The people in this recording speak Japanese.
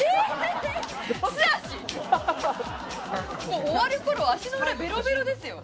もう終わる頃足の裏ベロベロですよ。